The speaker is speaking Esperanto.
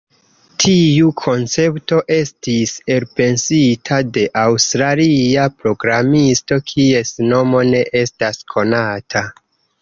Tiu koncepto estis elpensita de aŭstralia programisto, kies nomo ne estas konata.